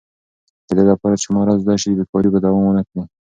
د دې لپاره چې مهارت زده شي، بېکاري به دوام ونه کړي.